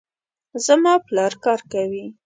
زما پلار کار کوي